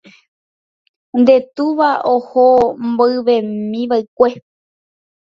nde túva oho mboyvemiva'ekue.